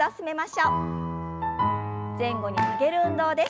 前後に曲げる運動です。